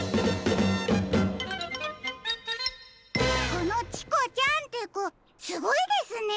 このチコちゃんってコすごいですねー。